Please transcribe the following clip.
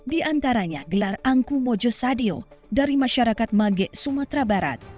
di antaranya gelar angku mojosadio dari masyarakat magek sumatera barat